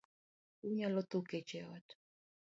Unyalo tho kech e ot.